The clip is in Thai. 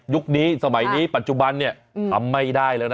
นี้สมัยนี้ปัจจุบันเนี่ยทำไม่ได้แล้วนะ